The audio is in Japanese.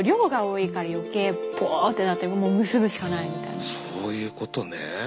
だからそういうことね。